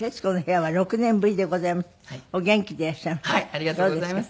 ありがとうございます。